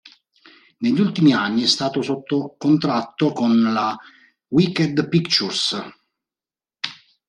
Negli ultimi anni è stato sotto contratto con la Wicked Pictures.